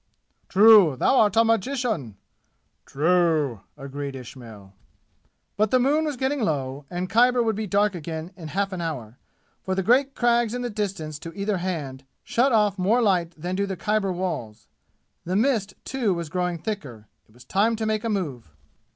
"True! Thou art a magician!" "True!" agreed Ismail. But the moon was getting low and Khyber would be dark again in half an hour, for the great crags in the distance to either hand shut off more light than do the Khyber walls. The mist, too, was growing thicker. It was time to make a move.